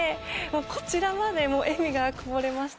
こちらまで笑みがこぼれました。